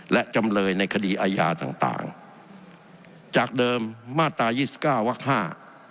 และจำเลยในคดีอาญาต่างต่างจากเดิมมาตรายี่สิบเก้าวักห้า